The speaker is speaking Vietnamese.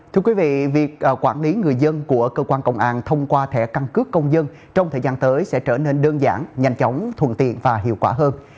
thưa quý vị việc quản lý người dân của cơ quan công an thông qua thẻ căn cước công dân trong thời gian tới sẽ trở nên đơn giản nhanh chóng thuận tiện và hiệu quả hơn